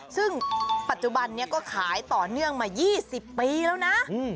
ซึ่งปัจจุบันนี้ก็ขายต่อเนื่องมา๒๐ปีแล้วนะ